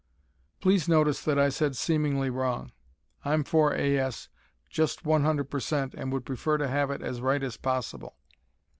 Please notice that I said seemingly wrong. I'm for A. S. just one hundred per cent and would prefer to have it as right as possible.